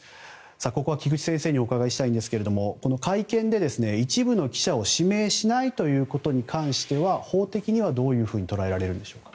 ここは菊地先生にお伺いしたいんですがこの会見で一部の記者を指名しないということに関しては法的にはどういうふうに捉えられるんでしょうか？